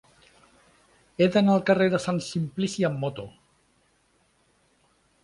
He d'anar al carrer de Sant Simplici amb moto.